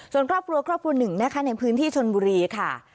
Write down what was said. ส่วนกล้าปัวกล้าปัวหนึ่งนะคะในพื้นที่ชนบุรีค่ะ